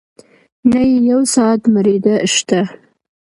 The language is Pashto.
نه يې يو ساعت مړېدۀ شته